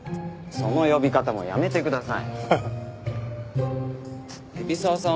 だからその呼び方やめてください。